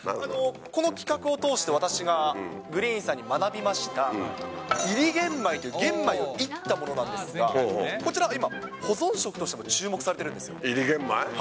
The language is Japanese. この企画を通して、私がグリーンさんに学びました、煎り玄米という、玄米を煎ったものなんですが、こちら今、保存食としても注目さ煎り玄米？